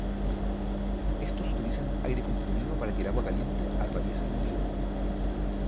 Estos utilizan aire comprimido para que el agua caliente atraviese el molido.